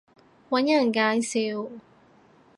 搵人介紹